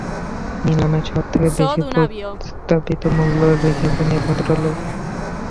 নিলামে সবথেকে বেশি প্রস্তাবিত মুল্যে রেখেছেন এই ভদ্রলোক।